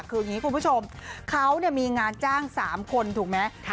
คืออย่างนี้คุณผู้ชมเขามีงานจ้าง๓คนถูกไหม